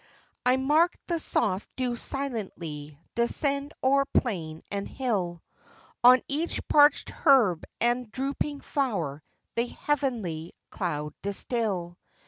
I marked the soft dew silently descend o'er plain and hill, On each parched herb and drooping flower the heav¬ enly cloud distil.